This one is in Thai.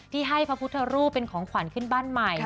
ที่ให้พระพุทธรูปเป็นของขวัญขึ้นบ้านใหม่